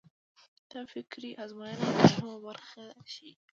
دا فکري ازموینه یوه مهمه خبره ښيي.